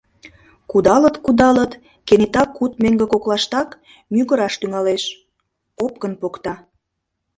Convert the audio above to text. Кудалыт-кудалыт, кенета куд меҥге коклаштак мӱгыраш тӱҥалеш — опкын покта...